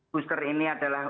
booster ini adalah